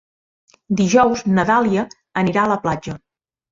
Dijous na Dàlia anirà a la platja.